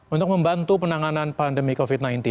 untuk membantu penanganan pandemi covid sembilan belas